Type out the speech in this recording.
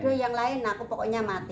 tidak ada yang lain aku pokoknya mati